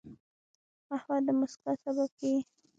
قهوه د مسکا سبب کېږي